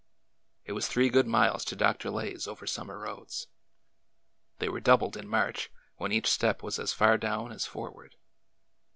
It was three good miles to Dr. Lay's over summer roads. They were doubled in March, when each step was as far down as forward.